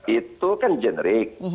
itu kan jenerik